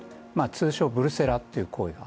通称ブルセラという行為。